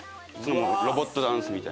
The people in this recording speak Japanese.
ロボットダンスみたいな。